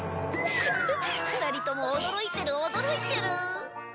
フフッ２人とも驚いてる驚いてる。